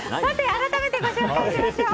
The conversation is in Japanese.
改めてご紹介しましょう。